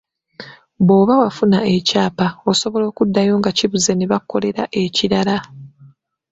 Bw’oba wafuna ekyapa, osobola okuddayo nga kibuze ne bakukolera ekirala.